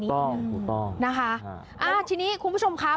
ถูกต้องถูกต้องนะคะทีนี้คุณผู้ชมครับ